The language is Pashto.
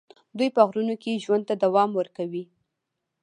دوی په غرونو کې ژوند ته دوام ورکوي.